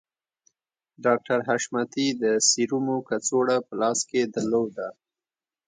ډاکټر حشمتي د سيرومو کڅوړه په لاس کې درلوده